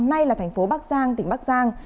nay là tp bắc giang tỉnh bắc giang